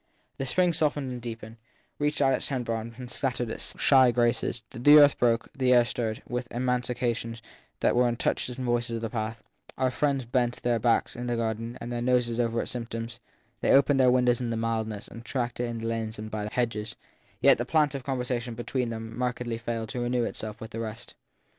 The spring softened and deepened, reached out its tender arms and scattered its shy graces ; the earth broke, the air stirred, with emanations that were as touches and voices of the past ; our friends bent their backs in their garden and their noses over its symptoms ; they opened their windows to the mildness and tracked it in the lanes and by the hedges; yet the plant of conversation between them markedly failed to renew itself with the rest.